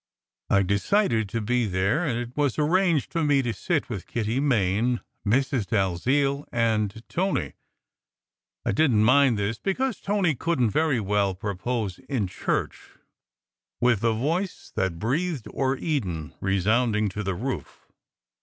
I decided to be there; and it was arranged for me to sit with Kitty Main, Mrs. Dalziel, and Tony. I didn t mind this, because Tony couldn t very well propose in church 184 SECRET HISTORY with "The voice that breathed o er Eden" resounding to the roof.